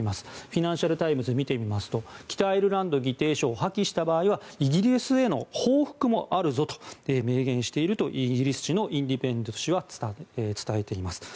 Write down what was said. フィナンシャル・タイムズを見てみますと北アイルランド議定書を破棄した場合はイギリスへの報復もあるぞと明言しているとイギリス紙のインディペンデントは伝えています。